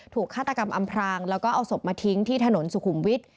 ฆาตกรรมอำพรางแล้วก็เอาศพมาทิ้งที่ถนนสุขุมวิทย์